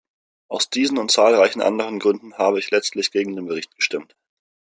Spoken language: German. Aus diesen und zahlreichen anderen Gründen habe ich letztlich gegen den Bericht gestimmt.